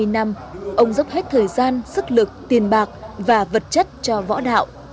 hai mươi năm ông dốc hết thời gian sức lực tiền bạc và vật chất cho võ đạo